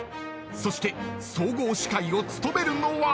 ［そして総合司会を務めるのは］